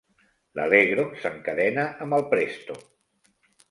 L'allegro s'encadena amb el Presto.